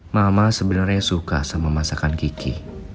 mama sebenarnya suka sama masakan gigi